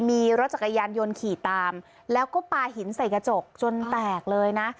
มีรถจักรยานยนต์ขี่ตามแล้วก็ปลาหินใส่กระจกจนแตกเลยนะ